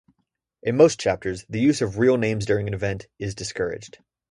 In most chapters, the use of real names during an event is discouraged.